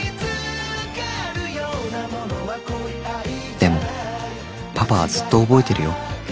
でもパパはずっと覚えてるよ。